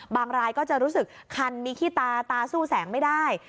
รายก็จะรู้สึกคันมีขี้ตาตาสู้แสงไม่ได้